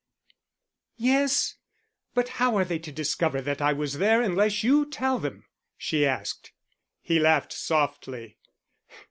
"Yes; but how are they to discover that I was there unless you tell them?" she asked. He laughed softly.